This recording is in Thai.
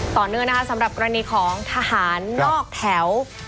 ต่อเนื่องนะคะสำหรับกรณีของทหารนอกแถว